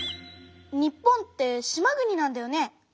日本って島国なんだよね。